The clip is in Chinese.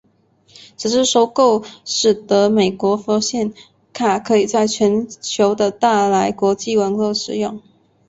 此次收购使得美国发现卡可以在全球的大来国际网络使用。